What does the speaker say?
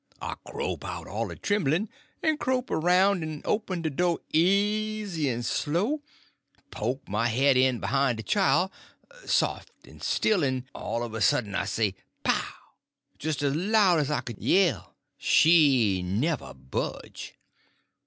I crope out, all a tremblin', en crope aroun' en open de do' easy en slow, en poke my head in behine de chile, sof' en still, en all uv a sudden I says pow! jis' as loud as I could yell. _She never budge!